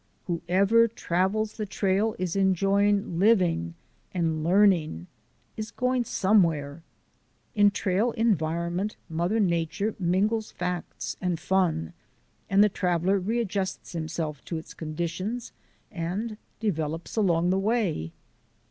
Whoever travels the trail is enjoying living and learning; is going somewhere. In trail environ ment Mother Nature mingles facts and fun, and the CHILDREN OF MY TRAIL SCHOOL 163 traveller readjusts himself to its conditions and develops along the way.